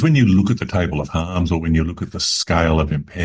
karena ketika anda melihat tabel kegagalan atau skala penyakit